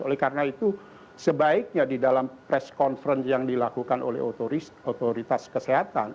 oleh karena itu sebaiknya di dalam press conference yang dilakukan oleh otoritas kesehatan